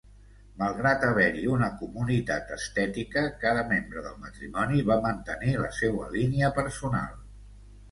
Malgrat haver-hi una comunitat estètica, cada membre del matrimoni va mantenir la seua línia personal.